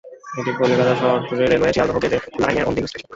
এটি কলকাতা শহরতলি রেলওয়ের শিয়ালদহ-গেদে লাইনের অন্তিম স্টেশন।